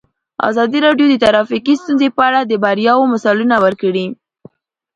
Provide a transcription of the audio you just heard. ازادي راډیو د ټرافیکي ستونزې په اړه د بریاوو مثالونه ورکړي.